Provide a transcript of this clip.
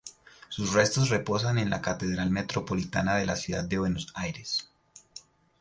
Sus restos reposan en la Catedral Metropolitana de la Ciudad de Buenos Aires.